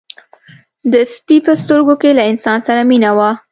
د سپي په سترګو کې له انسان سره مینه وه.